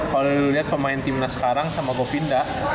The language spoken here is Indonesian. kalau lu lihat pemain timnya sekarang sama govinda